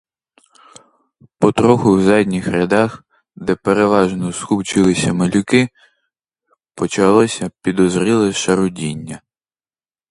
Потроху в задніх рядах, де переважно скупчилися малюки, почалося підозріле шарудіння.